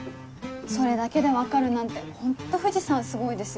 それだけで分かるなんてホント藤さんすごいですよね。